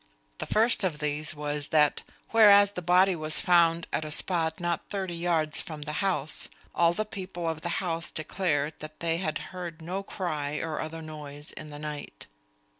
The first of these was that, whereas the body was found at a spot not thirty yards from the house, all the people of the house declared that they had heard no cry or other noise in the night.